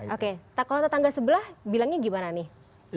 oke kalau tetangga sebelah bilangnya gimana nih